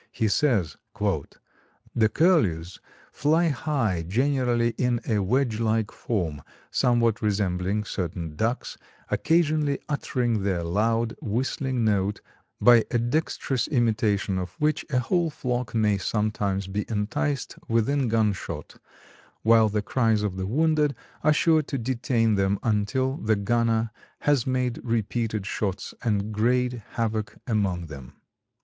He says, "The Curlews fly high, generally in a wedge like form, somewhat resembling certain ducks, occasionally uttering their loud, whistling note, by a dexterous imitation of which a whole flock may sometimes be enticed within gunshot, while the cries of the wounded are sure to detain them until the gunner has made repeated shots and great havoc among them."